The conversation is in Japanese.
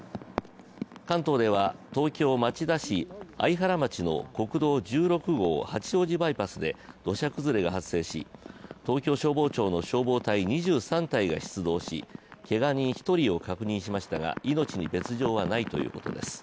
関東では東京町田市相原町の国道１６号八王子バイパスで土砂崩れが発生し、東京消防庁の消防隊２３隊が出動しけが人１人を確認しましたが命に別状はないということです。